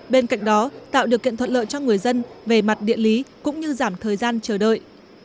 bên cạnh đó tạo điều kiện thuận lợi cho người dân về mặt địa lý cũng như giảm thời gian chờ đợi